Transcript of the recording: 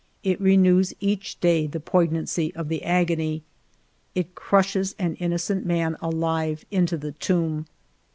It renews each day the poi gnancy of the agony. It crushes an innocent man alive into the tomb.